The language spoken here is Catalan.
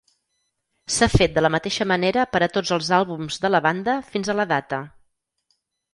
S'ha fet de la mateixa manera per a tots els àlbums de la banda fins a la data.